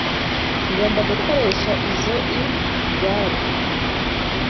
Ngomba gukoresha izoi gare.